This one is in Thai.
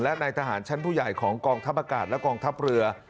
และนายทหารชั้นผู้ใหญ่ของกองทัพอากาศและกองทัพเรือ